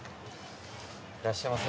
いらっしゃいませ。